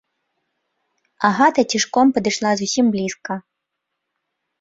Агата цішком падышла зусім блізка.